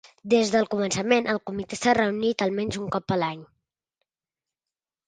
Des del començament, el comitè s'ha reunit almenys un cop a l'any.